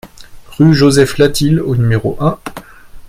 Rue Joseph Latil au numéro un